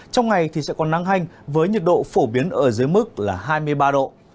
trong ngày thì sẽ còn nắng hành với nhiệt độ phổ biến ở dưới mức là hai mươi ba độ